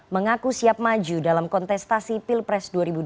mengaku siap maju dalam kontestasi pilpres dua ribu dua puluh